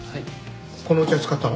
このお茶使ったの？